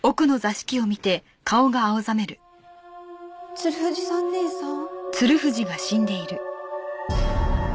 鶴藤さん姉さん？